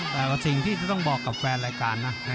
แต่ว่าสิ่งที่ต้องบอกกับแฟนรายการนะ